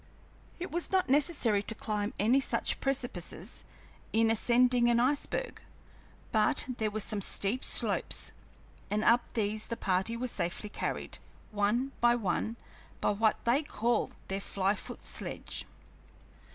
It was not necessary to climb any such precipices in ascending an iceberg, but there were some steep slopes, and up these the party were safely carried, one by one, by what they called their Fly foot Sledge.